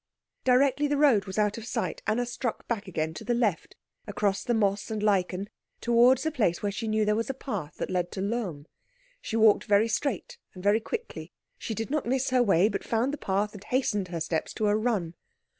Directly the road was out of sight, Anna struck back again to the left, across the moss and lichen, towards the place where she knew there was a path that led to Lohm. She walked very straight and very quickly. She did not miss her way, but found the path and hastened her steps to a run.